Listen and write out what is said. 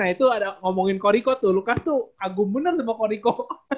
nah itu ngomongin ko riko tuh lukas tuh kagum bener sama ko riko